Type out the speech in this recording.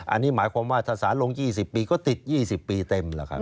อันนี้หมายความว่าถ้าสารลง๒๐ปีก็ติด๒๐ปีเต็มแล้วครับ